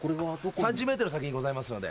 ３０ｍ先にございますので。